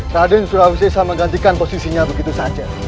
raden surawisesa menggantikan posisinya begitu saja